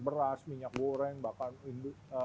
beras minyak goreng bahkan